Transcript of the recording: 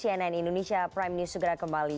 cnn indonesia prime news segera kembali